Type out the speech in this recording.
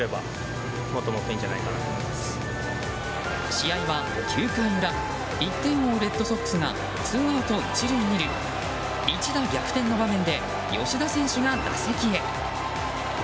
試合は９回裏１点を追うレッドソックスがツーアウト１塁２塁一打逆転の場面で吉田選手が打席へ。